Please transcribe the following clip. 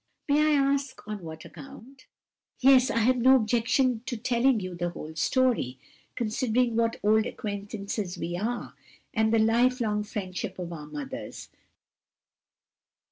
"May I ask on what account?" "Yes; I have no objection to telling you the whole story, considering what old acquaintances we are, and the life long friendship of our mothers.